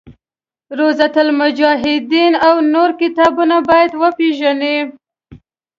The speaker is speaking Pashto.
روضة المجاهدین او نور کتابونه باید وپېژني.